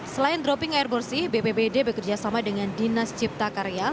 selain dropping air bersih bpdb bekerja sama dengan dinas cipta karya